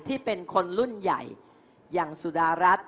ที่เป็นคนรุ่นใหญ่อย่างสุดารัฐ